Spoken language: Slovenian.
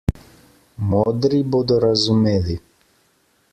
Modri bodo razumeli.